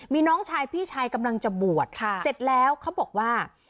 มีน้องชายพี่ชายกำลังจะบวชเสร็จแล้วเขาบอกว่า